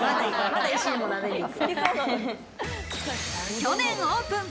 去年オープン。